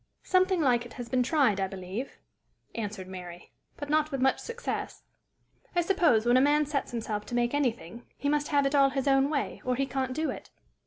"Something like it has been tried, I believe," answered Mary, "but not with much success. I suppose, when a man sets himself to make anything, he must have it all his own way, or he can't do it."